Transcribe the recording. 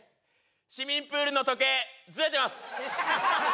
市民プールの時計ずれてます